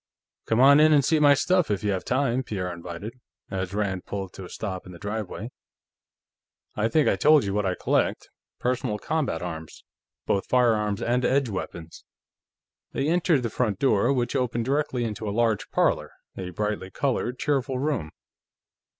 "Come on in and see my stuff, if you have time," Pierre invited, as Rand pulled to a stop in the driveway. "I think I told you what I collect personal combat arms, both firearms and edge weapons." They entered the front door, which opened directly into a large parlor, a brightly colored, cheerful room.